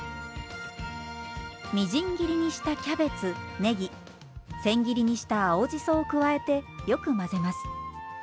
みじん切りにしたキャベツねぎ千切りにした青じそを加えてよく混ぜます。